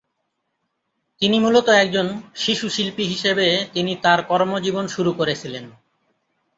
তিনি মূলত একজন শিশুশিল্পী হিসেবে তিনি তার কর্মজীবন শুরু করেছিলেন।